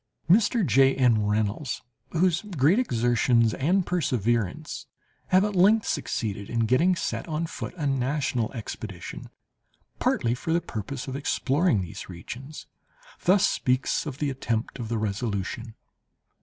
Mr. J. N. Reynolds, whose great exertions and perseverance have at length succeeded in getting set on foot a national expedition, partly for the purpose of exploring these regions, thus speaks of the attempt of the Resolution.